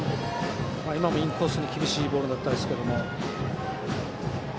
今もインコースに厳しいボールだったんですけど。